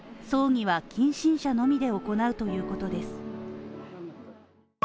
葬儀は近親者のみで行うということです。